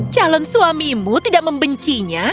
calon suamimu tidak membencinya